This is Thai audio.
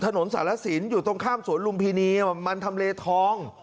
ถนนสารสินอยู่ตรงข้ามสวนลุมพินีมันทำเลทอง